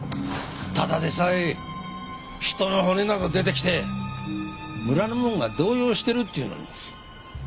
ただでさえ人の骨など出てきて村の者が動揺してるっていうのに。